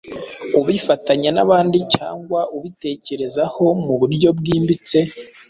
ubifatanya n’abandi cyangwa ubitekerezaho mu buryo bwimbitse,